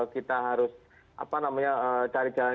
kita harus cari jalan